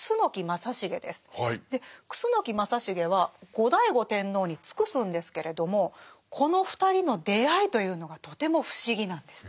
楠木正成は後醍醐天皇に尽くすんですけれどもこの２人の出会いというのがとても不思議なんです。